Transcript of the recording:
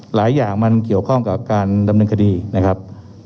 หลายอย่างมันเกี่ยวข้องกับการดำเนินคดีนะครับ